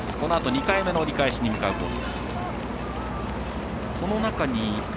２回目の折り返しに向かうコース。